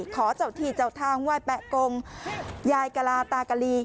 ขอเจ้าที่เจ้าทางไหว้แปะกงยายกะลาตากะลี